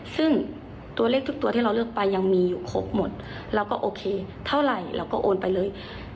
ซึ่งตัวเลขทุกตัวที่เราเลือกไปยังมีอยู่ครบหมดเราก็โอเคเท่าไหร่เราก็โอนไปเลย